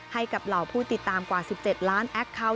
ให้กับเหล่าผู้ติดตามกว่า๑๗ล้านแอคเคาน์